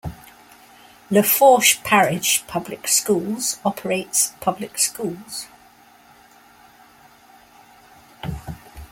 Lafourche Parish Public Schools operates public schools.